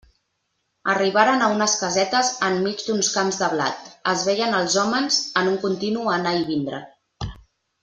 Arribaren a unes casetes enmig d'uns camps de blat; es veien els hòmens en un continu anar i vindre.